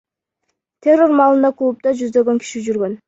Террор маалында клубда жүздөгөн киши жүргөн.